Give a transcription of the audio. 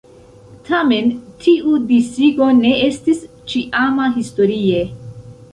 Tamen tiu disigo ne estis ĉiama historie.